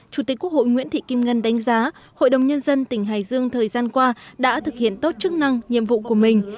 chủ tịch quốc hội nguyễn thị kim ngân đánh giá hội đồng nhân dân tỉnh hải dương thời gian qua đã thực hiện tốt chức năng nhiệm vụ của mình